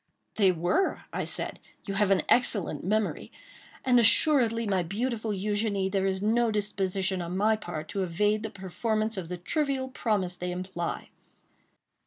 "They were," I said; "you have an excellent memory; and assuredly, my beautiful Eugénie, there is no disposition on my part to evade the performance of the trivial promise they imply.